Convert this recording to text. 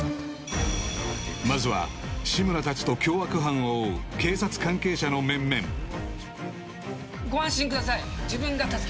まずは志村たちと凶悪犯を追う警察関係者の面々ご安心ください自分が助けました